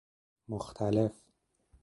مختلف